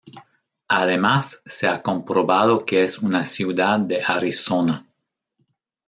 Además, se ha comprobado que es una ciudad de Arizona.